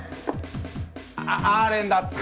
アーレンダッツ。